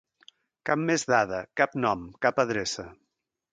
Cap més dada, cap nom, cap adreça.